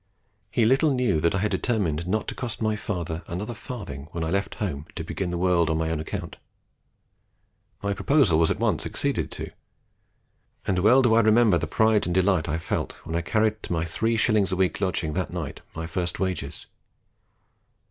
He little knew that I had determined not to cost my father another farthing when I left home to begin the world on my own account. My proposal was at once acceded to. And well do I remember the pride and delight I felt when I carried to my three shillings a week lodging that night my first wages.